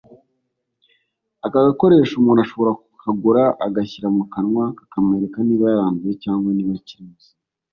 Aka gakoresho umuntu ashobora kukagura agashyira mu kanwa kakamwereka niba yaranduye cyangwa niba akiri muzima